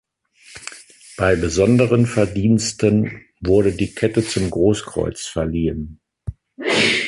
Bei besonderen Verdiensten wurde die Kette zum Großkreuz verliehen.